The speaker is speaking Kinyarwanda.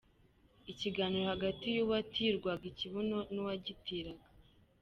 Ikiganiro hagati y’ uwatirwaga ikibuno n’ uwagitiraga.